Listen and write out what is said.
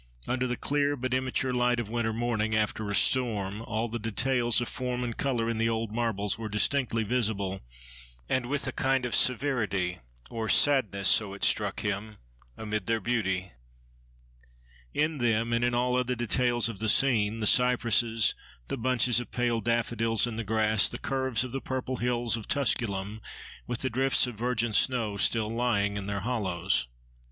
Under the clear but immature light of winter morning after a storm, all the details of form and colour in the old marbles were distinctly visible, and with a kind of severity or sadness—so it struck him—amid their beauty: in them, and in all other details of the scene—the cypresses, the bunches of pale daffodils in the grass, the curves of the purple hills of Tusculum, with the drifts of virgin snow still lying in their hollows.